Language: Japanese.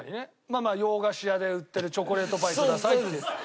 まあまあ「洋菓子屋で売ってるチョコレートパイください」って。そうそうです。